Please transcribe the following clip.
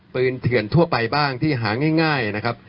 เถื่อนทั่วไปบ้างที่หาง่ายนะครับ